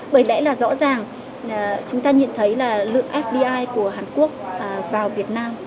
bởi đấy là rõ ràng chúng ta nhìn thấy là lượng fbi của hàn quốc vào việt nam